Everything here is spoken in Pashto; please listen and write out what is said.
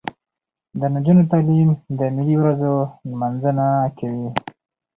د نجونو تعلیم د ملي ورځو نمانځنه کوي.